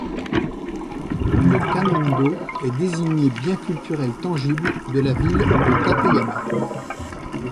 Le Kannon-dō est désigné bien culturel tangible de la ville de Tateyama.